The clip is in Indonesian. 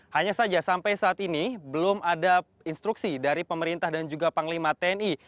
hanya saja sampai saat ini belum ada instruksi dari pemerintah dan juga panglima tni